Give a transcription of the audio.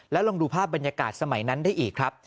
ลองดูภาพบรรยากาศสมัยนั้นได้อีกครับ